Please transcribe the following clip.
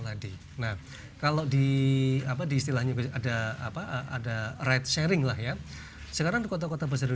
tadi nah kalau di apa diistilahnya ada apa ada ride sharing lah ya sekarang di kota kota besar